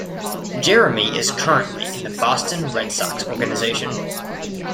Jeremy is currently in the Boston Red Sox organization.